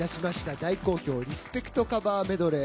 大好評リスペクトカバーメドレー。